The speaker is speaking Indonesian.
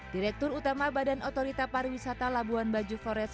direktur utama badan otorita pariwisata labuan bajo forest